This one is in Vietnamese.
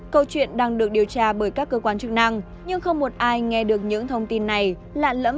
câu chuyện đang được điều tra bởi các cơ quan chức năng nhưng không một ai nghe được những thông tin này lạ lẫm